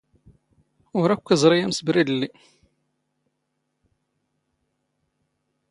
ⵓⵔ ⴰⴽⴽⵯ ⵉⵥⵕⵉ ⴰⵎⵙⴱⵔⵉⴷ ⵍⵍⵉ.